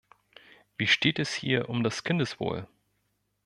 Wie steht es hier um das Kindeswohl?